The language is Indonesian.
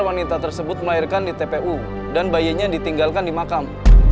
wanita tersebut melahirkan di tpu dan bayinya ditinggalkan di makam